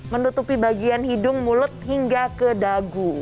menutupi bagian hidung mulut hingga ke dagu